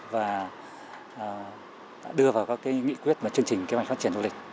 và đã đưa vào các nghị quyết và chương trình kế hoạch phát triển du lịch